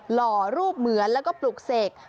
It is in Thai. หล่อรูปเหมือนแล้วก็ปลุกเสก